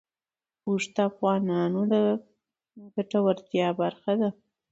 اوښ د افغانانو د ګټورتیا برخه ده.